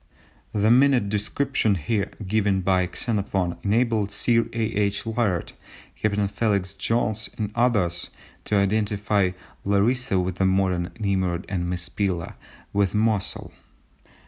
The minute description here given by Xenophon enabled Sir A. H. Layard, Captain Felix Jones, and others, to identify Larissa with the modern Nimrud and Mespila with Mosul.